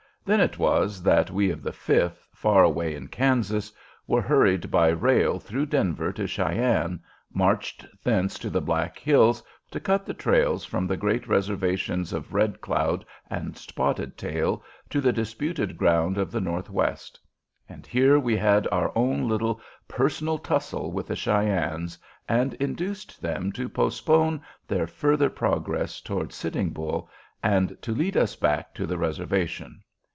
Then it was that we of the Fifth, far away in Kansas, were hurried by rail through Denver to Cheyenne, marched thence to the Black Hills to cut the trails from the great reservations of Red Cloud and Spotted Tail to the disputed ground of the Northwest; and here we had our own little personal tussle with the Cheyennes, and induced them to postpone their further progress towards Sitting Bull and to lead us back to the reservation.